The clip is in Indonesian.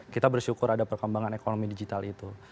kita bersyukur ada perkembangan ekonomi digital itu